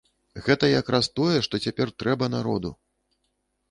Гэта якраз тое, што цяпер трэба народу!